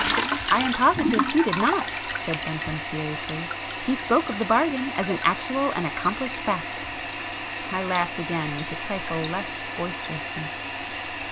"I am positive he did not,"—said Bentham seriously—"He spoke of the 'bargain' as an actual and accomplished fact." I laughed again with a trifle less boisterousness.